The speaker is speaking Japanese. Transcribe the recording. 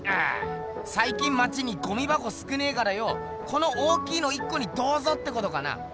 最近まちにゴミばこ少ねえからよこの大きいの１こにどうぞってことかな？